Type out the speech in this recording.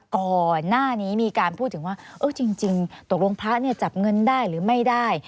ก่อนหน้านี้มีการพูดถึงว่าจริงตกลงพระเนี่ยจับเงินได้หรือไม่ได้